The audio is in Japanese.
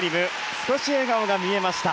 少し笑顔が見えました。